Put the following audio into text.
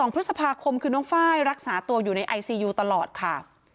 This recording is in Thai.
๒พฤษภาคมคือน้องไฟล์รักษาตัวอยู่ในไอซียูตลอดค่ะ